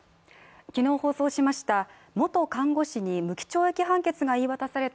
昨日放送しました元看護師に無期懲役判決が言い渡された